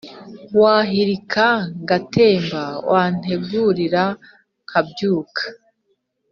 Wahirika ngatemba Wanterura nkabyuka